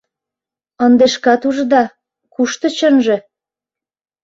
Ынде шкат ужыда, кушто чынже?